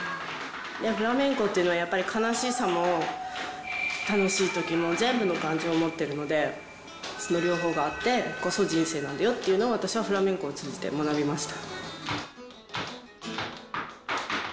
フラメンコっていうのはやっぱり、悲しさも楽しいときも、全部の感情を持ってるので、その両方があって、人生なんだよっていうのを私はフラメンコを通じて学びました。